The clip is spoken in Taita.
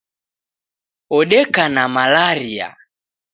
Odeka na malaria